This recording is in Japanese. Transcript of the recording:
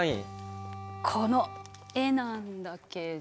この絵なんだけど。